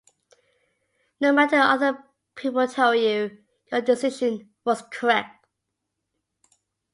No matter what other people tell you, your decision was correct.